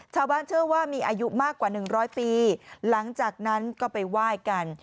ชาวบ้านเชื่อว่ามีอายุมากกว่า๑๐๐ปีหลังจากนั้นก็ไปไหว้กัน